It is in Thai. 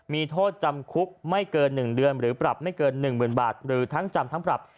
มีโทษจำคุกไม่เกิน๑เดือนหรือปรับไม่เกิน๑๐๐๐บาทหรือทั้งจำทั้งปรับ